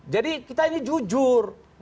jadi kita ini jujur